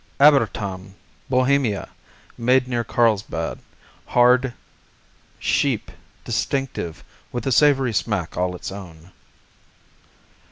Abertam Bohemia (Made near Carlsbad) Hard; sheep; distinctive, with a savory smack all its own.